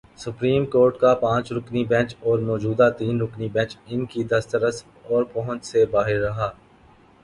Supreme court کا پانچ رکنی بینچ اور موجودہ تین رکنی بینچ ان کی دسترس اور پہنچ سے باہر رہا۔